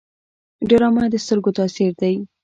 ډرامه د سترګو تاثیر دی